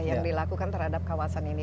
yang dilakukan terhadap kawasan ini